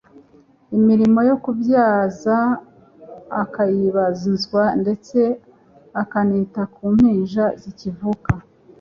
imirimo yo kubyaza akayibazwa, ndetse akanita ku mpinja zikivuka